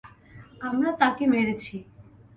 আমরা তাকে মেরেছি।